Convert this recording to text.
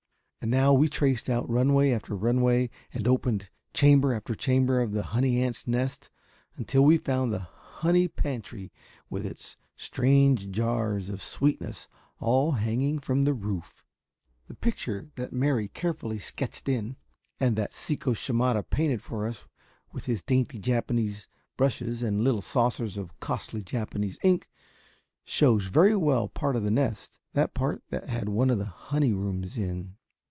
And how we traced out runway after runway and opened chamber after chamber of the honey ant's nest until we found the honey pantry with its strange jars of sweetness all hanging from the roof. The picture that Mary carefully sketched in, and that Sekko Shimada painted for us with his dainty Japanese brushes and little saucers of costly Japanese ink, shows very well part of the nest, that part that had one of the honey rooms in.